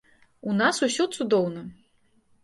У нас усё цудоўна.